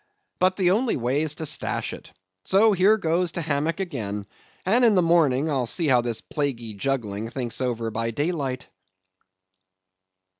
how?—but the only way's to stash it; so here goes to hammock again; and in the morning, I'll see how this plaguey juggling thinks over by daylight."